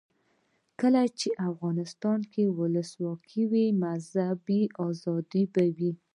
کله چې افغانستان کې ولسواکي وي مذهبي آزادي وي.